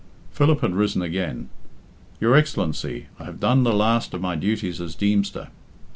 Philip had risen again. "Your Excellency, I have done the last of my duties as Deemster."